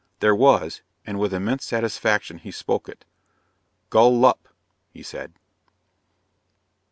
There was, and with immense satisfaction he spoke it. "Gull Lup," he said.